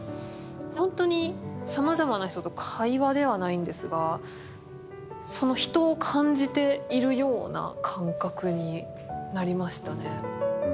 ほんとにさまざまな人と会話ではないんですがその人を感じているような感覚になりましたね。